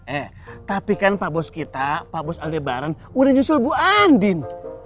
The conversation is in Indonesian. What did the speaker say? eh tapi kan pak bos kita pak bos al debaran udah nyusul bu andin